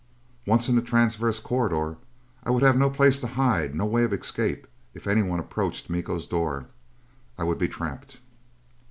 Once in the transverse corridor, I would have no place to hide, no way of escape. If anyone approached Miko's door, I would be trapped.